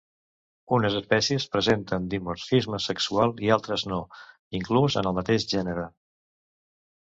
Unes espècies presenten dimorfisme sexual i altres no, inclús en el mateix gènere.